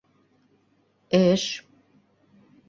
Эш